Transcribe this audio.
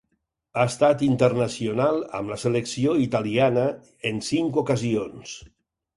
Ha estat internacional amb la selecció italiana en cinc ocasions.